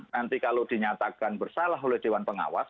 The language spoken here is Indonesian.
nanti kalau dinyatakan bersalah oleh dewan pengawas